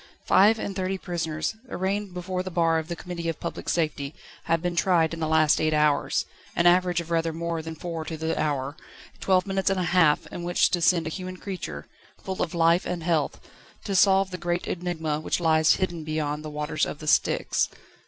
Five and thirty prisoners, arraigned before the bar of the Committee of Public Safety, had been tried in the last eight hours an average of rather more than four to the hour; twelve minutes and a half in which to send a human creature, full of life and health, to solve the great enigma which lies hidden beyond the waters of the Styx.